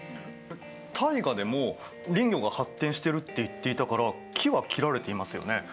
タイガでも林業が発展してるって言っていたから木は切られていますよね？